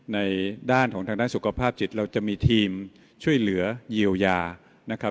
ในด้านของทางด้านสุขภาพจิตเราจะมีทีมช่วยเหลือเยียวยานะครับ